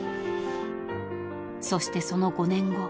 ［そしてその５年後。